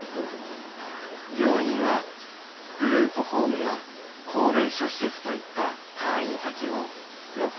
病院はグループホームや高齢者施設といった退院先を６年前から模索。